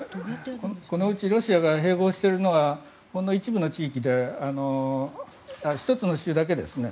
このうちロシアが併合しているのはほんの一部の地域で１つの州だけですね。